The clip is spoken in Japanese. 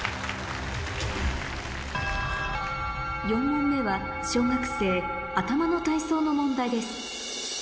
４問目は小学生頭の体操の問題です